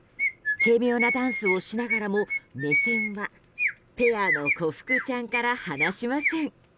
軽妙なダンスをしながらも目線はペアの小福ちゃんから離しません。